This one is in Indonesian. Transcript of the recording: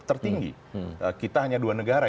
tertinggi kita hanya dua negara